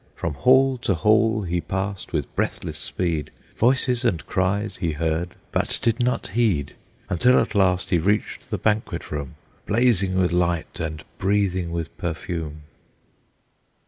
From hall to hall he passed with breathless speed; Voices and cries he heard, but did not heed, Until at last he reached the banquet room, Blazing with light, and breathing with perfume.